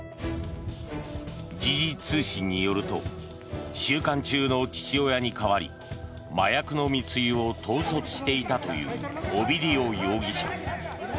時事通信によると収監中の父親に代わり麻薬の密輸を統率していたというオビディオ容疑者。